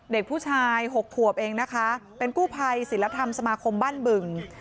เด็กผู้ชาย๖ขวบเองนะคะเป็นกู้ภัยศิลธรรมสมาคมบ้านบึง